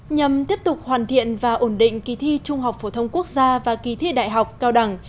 nhằm tiếp tục hoàn thiện và ổn định kỳ thi trung học phổ thông quốc gia và kỳ thi đại học cao đẳng